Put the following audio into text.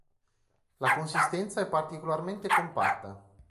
La consistenza è particolarmente compatta.